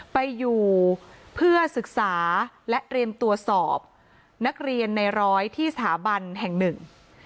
ไปอยู่เพื่อศึกษาและเตรียมตรวจสอบนักเรียนในร้อยที่สถาบันแห่งหนึ่ง